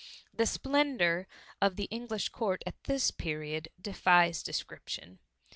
The splendour of the English Court at this period. defies description.